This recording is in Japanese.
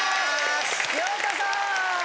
ようこそ！